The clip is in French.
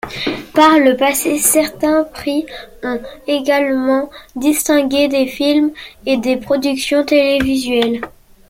Par le passé, certains prix ont également distingué des films et des productions télévisuelles.